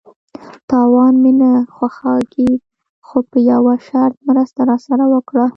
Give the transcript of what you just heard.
_تاوان مې نه خوښيږي، خو په يوه شرط، مرسته راسره وکړه!